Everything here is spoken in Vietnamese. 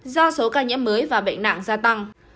do số ca nhiễm mới và bệnh nặng gia tăng